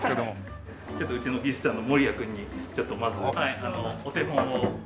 ちょっとうちの技術さんのモリヤ君にちょっとまずお手本を。